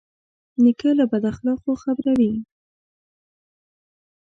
نیکه له بد اخلاقو خبروي.